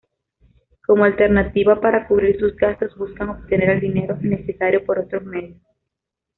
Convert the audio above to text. Como alternativa para cubrir sus gastos buscan obtener el dinero necesario por otros medios.